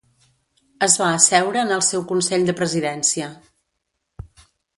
Es va asseure en el seu Consell de Presidència.